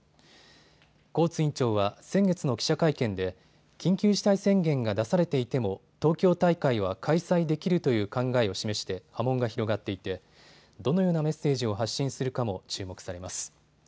コーツ委員長は先月の記者会見で緊急事態宣言が出されていても東京大会は開催できるという考えを示して波紋が広がっていてどのようなメッセージを発信するかも注目されます。